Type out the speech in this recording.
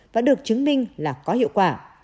và được chứng minh là có hiệu quả